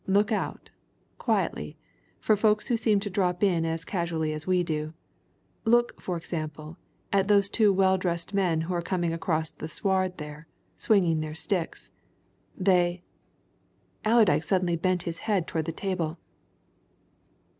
Look out quietly for folk who seem to drop in as casually as we do. Look, for example, at those two well dressed men who are coming across the sward there, swinging their sticks. They " Allerdyke suddenly bent his head towards the table.